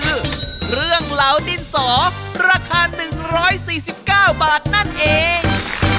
คือเรื่องเหลาดินสอราคา๑๔๙บาทนั่นเอง